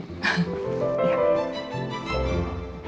ini kita lanjutin